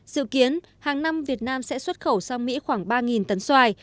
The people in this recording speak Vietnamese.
dự kiến hàng năm việt nam sẽ xuất khẩu sang mỹ khoảng ba tấn xoài